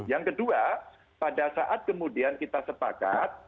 yang kedua pada saat kemudian kita sepakat